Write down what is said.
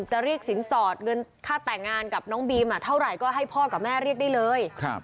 จะเรียกสินสอดเงินค่าแต่งงานกับน้องบีมเท่าไหร่ก็ให้พ่อกับแม่เรียกได้เลย